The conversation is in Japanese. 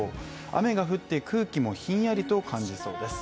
雨が降って空気もひんやりと感じそうです。